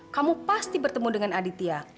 kamu pasti bertemu dengan aditya